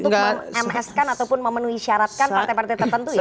untuk mem ms kan ataupun memenuhi syaratkan partai partai tertentu ya